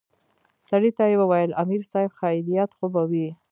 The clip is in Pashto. سړي ته يې وويل امر صايب خيريت خو به وي.